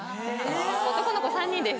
男の子３人です。